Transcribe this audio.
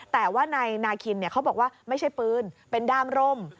แต่ว่านายนาคินเขาบอกว่าไม่ใช่ปืนเป็นด้ามร่ม